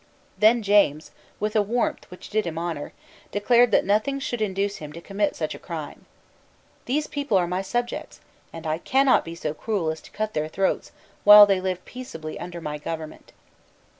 Then James, with a warmth which did him honour, declared that nothing should induce him to commit such a crime. "These people are my subjects; and I cannot be so cruel as to cut their throats while they live peaceably under my government."